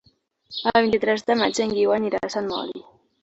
El vint-i-tres de maig en Guiu anirà a Sant Mori.